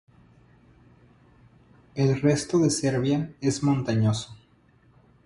El resto de Serbia es montañoso.